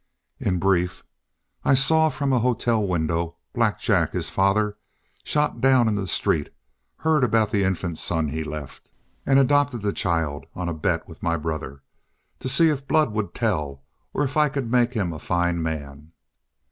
"In brief, I saw from a hotel window Black Jack, his father, shot down in the street; heard about the infant son he left, and adopted the child on a bet with my brother. To see if blood would tell or if I could make him a fine man."